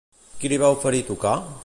Qui li va oferir tocar?